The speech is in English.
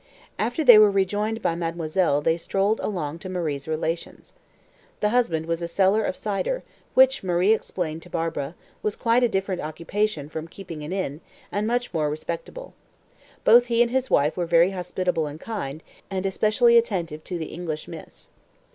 After they were joined by mademoiselle they strolled along to Marie's relations. The husband was a seller of cider, which, Marie explained to Barbara, was quite a different occupation from keeping an inn, and much more respectable. Both he and his wife were very hospitable and kind, and especially attentive to the "English miss."